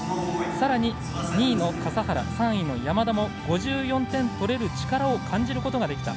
さらに２位の笠原、３位の山田も５４点、取れる力を感じることができた。